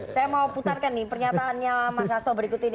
saya mau putarkan nih pernyataannya mas hasto berikut ini